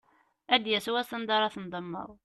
Ad d-yas wass anda ara tendemmeḍ.